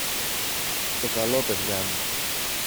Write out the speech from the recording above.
Στο καλό, παιδιά μου.